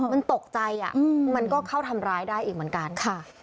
มันตกใจมันก็เข้าทำร้ายได้อีกเหมือนกันค่ะ